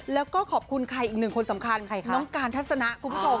แล้วก็ขอบคุณใครอีกหนึ่งคนสำคัญน้องการทัศนะคุณผู้ชม